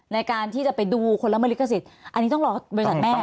ในการที่จะไปดูคนละมลิขสิทธิ์อันนี้ต้องรอบริษัทแม่